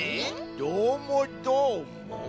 どーもどーも？